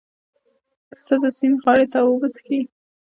پسه د سیند غاړې ته اوبه څښلې.